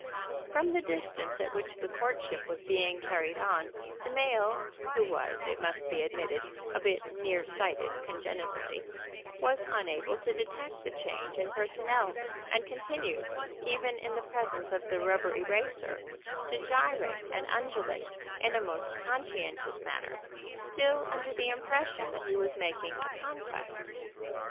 From the distance at which the courtship was being carried on, the male (who was, it must be admitted, a bit near sighted congenitally) was unable to detect the change in personnel, and continued, even in the presence of the rubber eraser, to gyrate and undulate in a most conscientious manner, still under the impression that he was making a conquest.